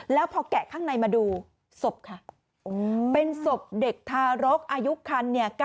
แล้วพอแกะข้างในมาดูศพค่ะเป็นศพเด็กทารกอายุคันเนี่ย